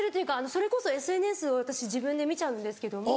それこそＳＮＳを私自分で見ちゃうんですけども。